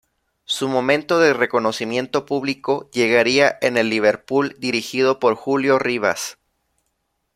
Su momento de reconocimiento público llegaría en el Liverpool dirigido por Julio Ribas.